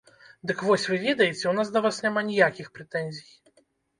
Дык вось, вы ведаеце, у нас да вас няма ніякіх прэтэнзій.